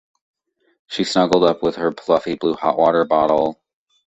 She snuggled up with her fluffy blue hot water bottle.